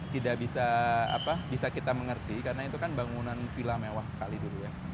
tidak bisa kita mengerti karena itu kan bangunan vila mewah sekali dulu ya